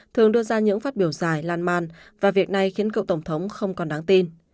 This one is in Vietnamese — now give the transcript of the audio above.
thường đưa ra những phát biểu dài lan man và việc này khiến cựu tổng thống không còn đáng tin